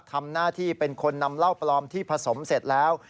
ทำหน้าที่เป็นคนนำเหล้าปลอมที่ผสมเสร็จแล้ว